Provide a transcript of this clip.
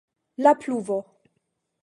La pluvo.